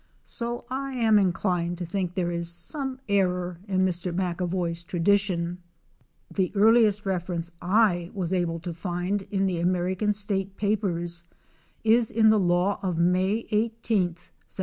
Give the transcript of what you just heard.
So I am inclined to think there is some error in Mr. MoAvoy 's tradition. The earliest reference I was able to find in the American State papers is in the law of May 18th, 1796.